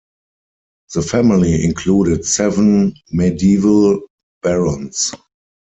The family included seven Medieval Barons.